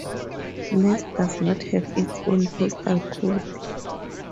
Nes does not have its own postal code.